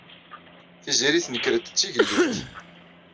Tiziri tenker-d d tigellilt.